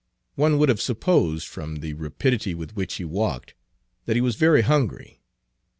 One would have supposed, from the rapidity with which he walked, that he was very hungry.